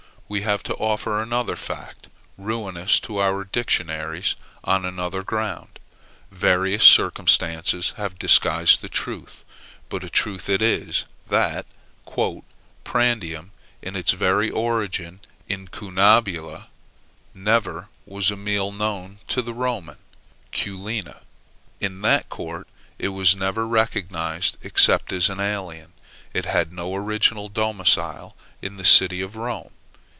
We have to offer another fact, ruinous to our dictionaries on another ground. Various circumstances have disguised the truth, but a truth it is, that "prandium", in its very origin and incunabula, never was a meal known to the Roman culina. In that court it was never recognized except as an alien. It had no original domicile in the city of Rome.